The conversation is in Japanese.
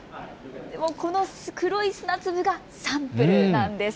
この黒い砂粒がサンプルなんです。